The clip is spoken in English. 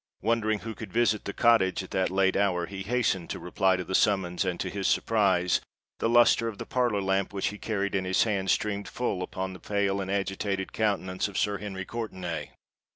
Wondering who could visit the cottage at that late hour, he hastened to reply to the summons; and, to his surprise, the lustre of the parlour lamp which he carried in his hand, streamed full upon the pale and agitated countenance of Sir Henry Courtenay.